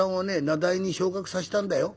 名題に昇格させたんだよ。